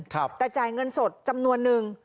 แต่จ่ายเงินสดจำนวนนึง